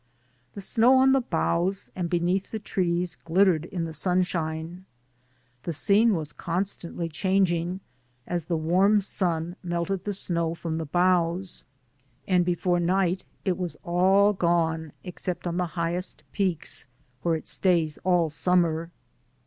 The snow on the boughs and beneath the trees gHttered in the sunshine. The scene was constantly changing, as the warm sun melted the snow from the boughs, and before night it was all gone except on the highest peaks, where it stays all summer.